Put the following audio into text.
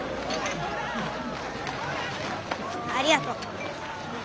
ありがとう。